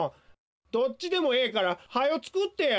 どっちでもええからはよつくってや！